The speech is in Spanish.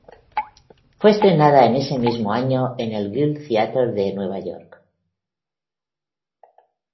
Fue estrenada en ese mismo año en el "Guild Theatre" de Nueva York.